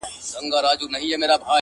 نه ، نه داسي نه ده~